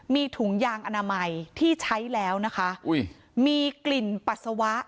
มีถุงยางอนามัยที่ใช้แล้วนะคะอุ้ยมีกลิ่นปัสสาวะ